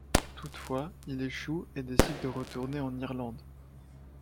Toutefois, il échoue et décide de retourner en Irlande.